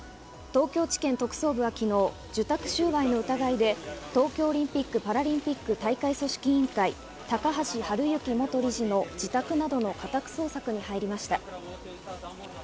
東京地検特捜部は昨日、受託収賄の疑いで東京オリンピック・パラリンピック大会組織委員会、高橋治之元理事の自宅などの家宅捜索に入りました。